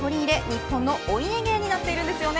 日本のお家芸になっているんですよね。